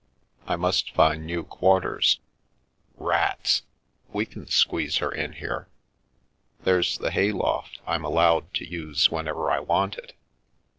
I must find new quar ters." " Rats ! We can squeeze her in here. There's the hayloft I'm allowed to use whenever I want it.